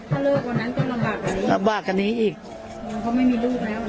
ถ้าเลิกวันนั้นก็ลำบากกว่านี้ลำบากกว่านี้อีกน้องเขาไม่มีลูกแล้ว